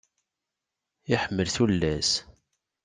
Iḥemmel tullas.